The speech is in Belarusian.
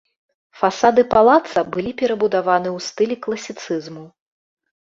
Фасады палаца былі перабудаваны ў стылі класіцызму.